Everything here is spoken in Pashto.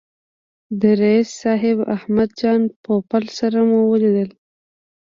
د رییس صاحب احمد جان پوپل سره مو ولیدل.